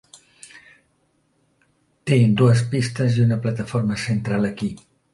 Té dues pistes i una plataforma central aquí.